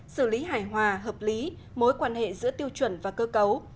xử lý hài hòa hợp lý mối quan hệ giữa tiêu chuẩn và cơ cấu